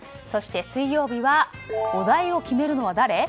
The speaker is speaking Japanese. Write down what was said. そして水曜日はお題を決めるのは誰？